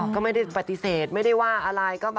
ก็ไม่ได้ปฏิเสธไม่ได้ว่าอะไร